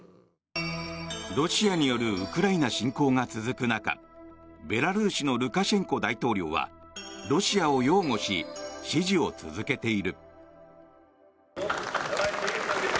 ロシアによるウクライナ侵攻が続く中ベラルーシのルカシェンコ大統領はロシアを擁護し支持を続けている。